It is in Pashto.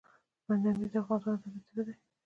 بند امیر د افغانستان د طبیعت زړه دی.